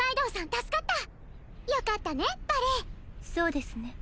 助かったよかったねバレそうですね